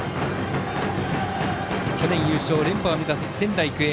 去年優勝して連覇を目指す仙台育英。